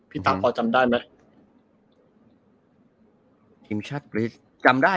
พี่มาต่อจำได้มั้ย